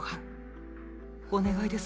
お願いです